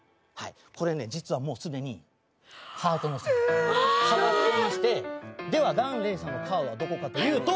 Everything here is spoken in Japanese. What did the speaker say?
これね実はもう既にハートの３変わってましてでは檀れいさんのカードはどこかというと。